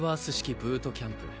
ブートキャンプ